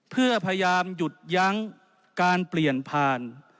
เพื่อพยายามหยุดยั้งการเปลี่ยนผ่าน